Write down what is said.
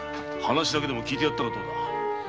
話だけでも聞いてやったらどうだ。